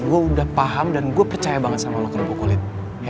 gue udah paham dan gue percaya banget sama anak kerupuk kulit